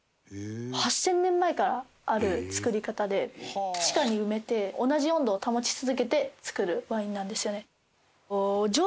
８０００年前からある造り方で地下に埋めて同じ温度を保ち続けて造るワインなんですよね。